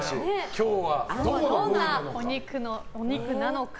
今日は、どんなお肉なのか。